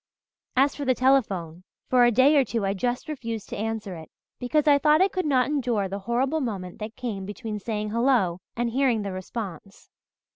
As for the telephone, for a day or two I just refused to answer it, because I thought I could not endure the horrible moment that came between saying 'Hello' and hearing the response.